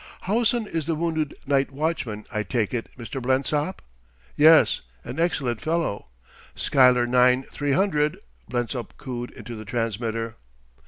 "Howson is the wounded night watchman, I take it, Mr. Blensop?" "Yes an excellent fellow.... Schuyler nine, three hundred," Blensop cooed into the transmitter.